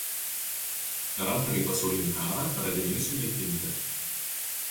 Per Antrąjį pasaulinį karą radiniai sunaikinti.